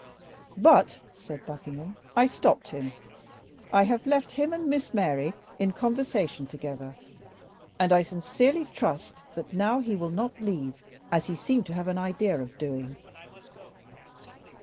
"But," said Buckingham, "I stopped him; I have left him and Miss Mary in conversation together, and I sincerely trust that now he will not leave, as he seemed to have an idea of doing."